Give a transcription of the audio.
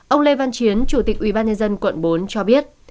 ông lê văn chiến chủ tịch ubnd quận bốn cho biết